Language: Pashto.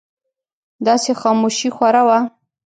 داسې خاموشي خوره وه.